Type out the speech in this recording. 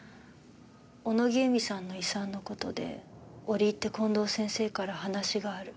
「小野木由美さんの遺産の事で折り入って近藤先生から話がある」